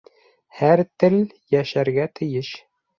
Һәр тел йәшәргә тейеш